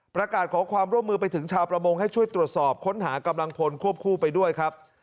ประกาศขอความร่วมมือไปถึงชาวประมงให้ช่วยตรวจสอบค้นหากำลังพลควบคู่ไปด้วยครับ